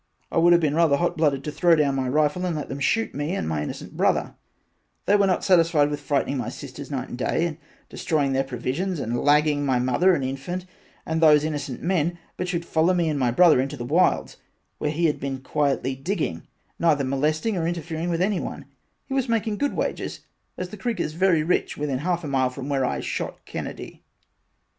I would have been rather hot blooded to throw down my rifle and let them shoot me and my innocent brother, they were not satisfied with frightening my sisters night and day and destroying their provisions and lagging my mother and infant and those innocent men but should follow me and my brother into the wilds where he had been quietly digging neither molesting or inter fering with anyone he was making good wages as the creek is very rich within half a mile from where I shot Kennedy.